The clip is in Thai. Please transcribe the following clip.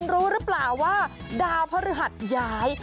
รู้หรือเปล่าว่าดาวพระฤหัสย้าย